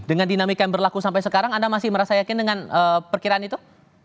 dengan dinamika yang berlaku sampai sekarang anda masih merasa yakin dengan perkiraan itu